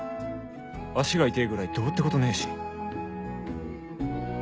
足が痛ぇぐらいどうってことねえし